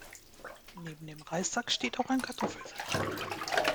Neben dem Reissack steht auch ein Kartoffelsack.